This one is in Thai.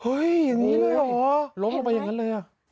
เฮ้ยอย่างนี้เลยหรอล้มออกไปอย่างนั้นเลยเหรอเห็นไหม